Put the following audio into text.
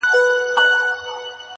لا هغه سوټک ته څڼي غور ځومه!!